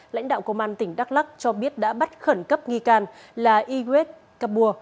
lãnh đạo công an tỉnh đắk lắc cho biết đã bắt khẩn cấp nghi can là yigwet kabur